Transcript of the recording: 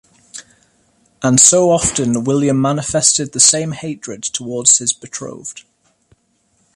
And so often William manifested the same hatred towards his betrothed.